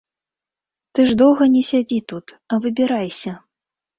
Ты ж доўга не сядзі тут, а выбірайся.